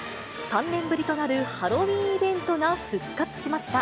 ３年ぶりとなるハロウィーンイベントが復活しました。